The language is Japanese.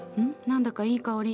何だかいい香り。